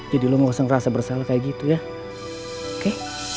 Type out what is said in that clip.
jadi lo nggak usah ngerasa bersalah kayak gitu ya oke